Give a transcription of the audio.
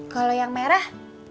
kalau yang merah